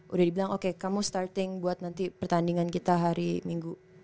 udah dibilang oke kamu starting buat nanti pertandingan kita hari minggu